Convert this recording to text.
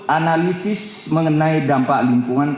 analisis mengenai dampak lingkungan